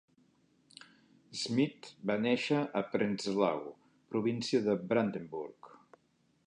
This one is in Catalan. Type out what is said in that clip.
Schmidt va néixer a Prenzlau, província de Brandenburg.